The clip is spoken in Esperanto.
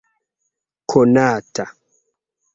konata